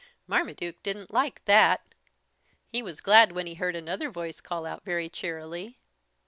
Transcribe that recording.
Marmaduke didn't like that. He was glad when he heard another voice call out, very cheerily.